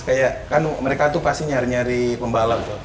kayak kan mereka tuh pasti nyari nyari pembalap